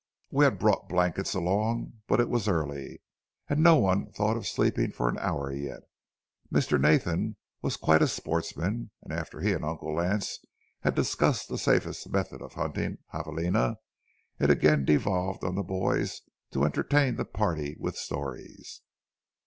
We had brought blankets along, but it was early and no one thought of sleeping for an hour yet. Mr. Nathan was quite a sportsman, and after he and Uncle Lance had discussed the safest method of hunting javalina, it again devolved on the boys to entertain the party with stories.